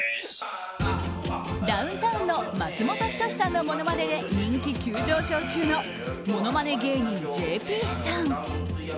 ダウンタウンの松本人志さんのものまねで人気急上昇中のものまね芸人ＪＰさん。